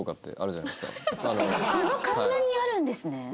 その確認あるんですね。